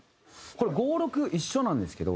これ５６一緒なんですけど。